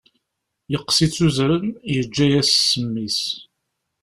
Yeqqes-itt uzrem, yeǧǧa-yas ssem-is.